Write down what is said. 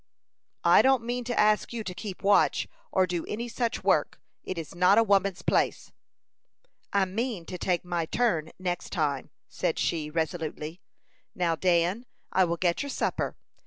"I don't mean to ask you to keep watch, or do any such work. It is not a woman's place." "I mean to take my turn next time," said she, resolutely. "Now, Dan, I will get your supper.